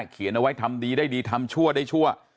เขียนเอาไว้ทำดีได้ดีทำชั่วได้ชั่ว